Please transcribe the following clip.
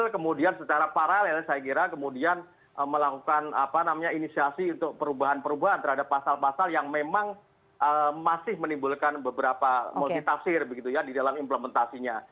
kemudian secara paralel saya kira kemudian melakukan inisiasi untuk perubahan perubahan terhadap pasal pasal yang memang masih menimbulkan beberapa multitafsir di dalam implementasinya